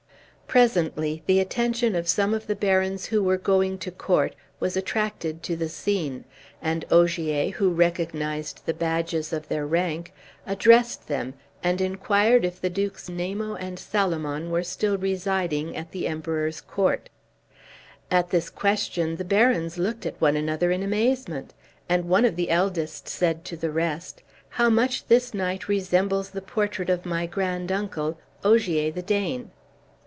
Presently the attention of some of the barons who were going to court was attracted to the scene, and Ogier, who recognized the badges of their rank, addressed them, and inquired if the Dukes Namo and Salomon were still residing at the Emperor's court. At this question the barons looked at one another in amazement; and one of the eldest said to the rest, "How much this knight resembles the portrait of my grand uncle, Ogier the Dane."